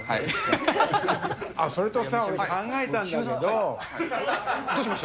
それとさ、俺、考えたんだけどうしました？